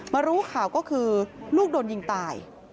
รู้ข่าวก็คือลูกโดนยิงตาย